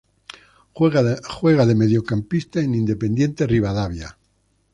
Juega de mediocampista en Independiente Rivadavia.